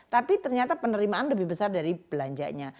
tapi ternyata penerimaan lebih besar dari belanjanya